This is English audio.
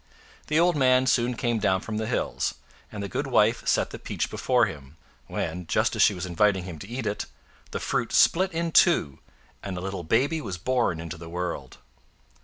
The old man soon came down from the hills, and the good wife set the peach before him, when, just as she was inviting him to eat it, the fruit split in two and a little baby was born into the world.